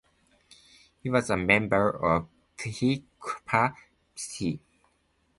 He was a member of Phi Kappa Psi.